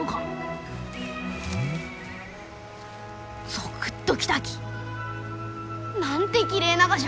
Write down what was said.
ゾクッときたき！なんてきれいながじゃ！